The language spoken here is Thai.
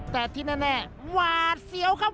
แต่ที่แน่หวาดเสียวครับ